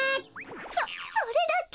そそれだけ！？